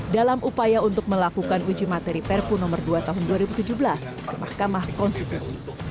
dalam upaya untuk melakukan uji materi perpu nomor dua tahun dua ribu tujuh belas ke mahkamah konstitusi